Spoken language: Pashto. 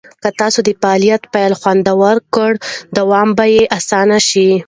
که تاسو د فعالیت پیل خوندور کړئ، دوام به یې اسانه شي.